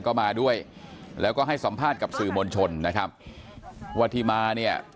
ก็มาด้วยแล้วก็ให้สัมภาษณ์กับสื่อมวลชนนะครับว่าที่มาเนี่ย